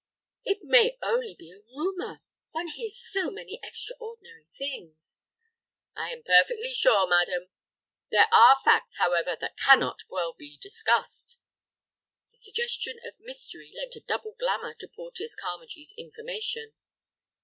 It may only be a rumor; one hears so many extraordinary things." "I am perfectly sure, madam. There are facts, however, that cannot well be discussed." The suggestion of mystery lent a double glamour to Porteus Carmagee's information.